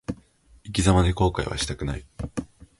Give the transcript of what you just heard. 生き様で後悔はしたくない。